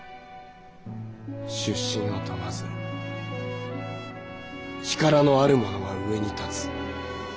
出身を問わず力のある者が上に立つ。